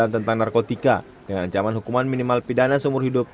tentang narkotika dengan ancaman hukuman minimal pidana seumur hidup